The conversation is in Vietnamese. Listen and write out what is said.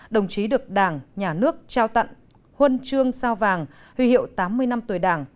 đồng chí được đảng nhà nước trao tặng huân chương sao vàng huy hiệu tám mươi năm tuổi đảng